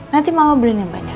nanti mama brain yang banyak